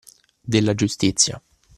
Della giustizia